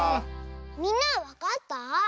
みんなはわかった？